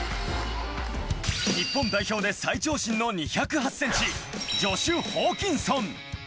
日本代表で最長身の２０８ｃｍ、ジョシュ・ホーキンソン。